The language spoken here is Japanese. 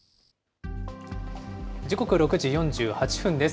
時刻は６時４８分です。